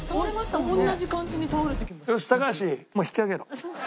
もう引き揚げろ。